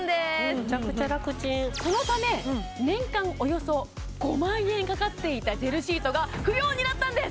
めちゃくちゃ楽ちんそのため年間およそ５万円かかっていたジェルシートが不要になったんです！